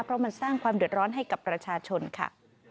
เพราะมันสร้างความเดือดร้อนให้กับประชาชนค่ะ